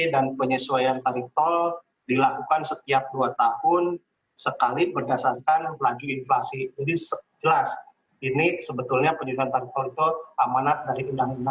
dan menyesuaikan inflasi yang terjadi